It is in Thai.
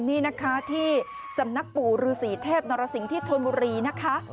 นี่นะคะที่สำนักปู่ฤษีเทพนรสิงห์ที่ชนบุรีนะคะ